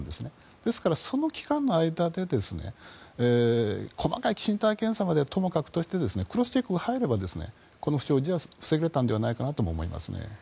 ですから、その間に細かい身体検査まではともかくとしてクロスチェックが入ればこの不祥事は防げたんじゃないかと思います。